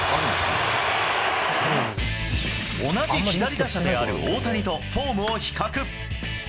同じ左打者である大谷とフォームを比較。